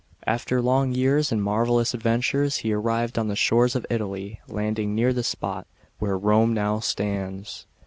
After long years and marvellous adventures, he arrived on the shores of Italy, landing near the spot, where Rome now stands.